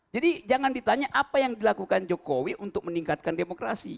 jadi jangan ditanya apa yang dilakukan jokowi untuk meningkatkan demokrasi